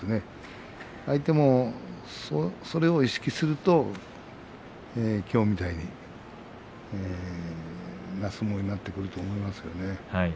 相手も、それを意識するときょうみたいな相撲になってくるということですね。